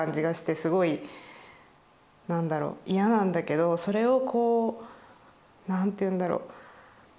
すごい何だろう嫌なんだけどそれをこう何て言うんだろ。